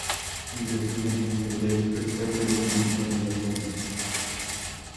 Ingresó en el mundo del espectáculo como actor de doblaje.